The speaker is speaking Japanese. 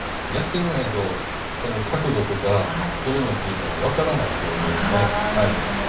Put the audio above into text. やってみないと角度とかそういうのっていうのは分からないと思います。